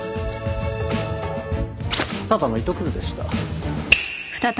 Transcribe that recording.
ただの糸くずでした。